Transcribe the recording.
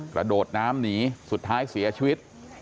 กระโดดน้ำหนีสุดท้ายเสียชีวิต